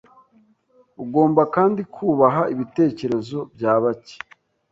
Ugomba kandi kubaha ibitekerezo bya bake.